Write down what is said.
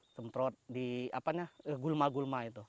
semprot di gulma gulma itu